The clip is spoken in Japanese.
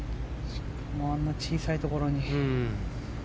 あんな小さいところに。